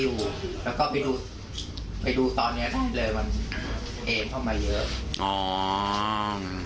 เลยมันเอ็งเข้ามาเยอะ